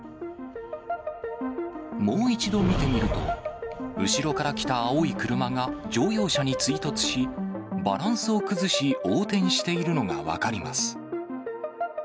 もう一度見てみると、後ろから来た青い車が乗用車に追突し、バランスを崩し、横転しているのが分かります。